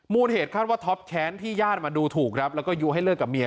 เหตุคาดว่าท็อปแค้นที่ญาติมาดูถูกครับแล้วก็ยู้ให้เลิกกับเมีย